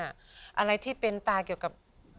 อะไรที่เป็นตาเกี่ยวกับ